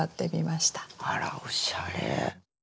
あらおしゃれ。